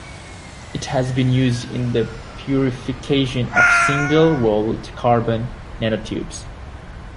It has been used in the purification of single-walled carbon nanotubes.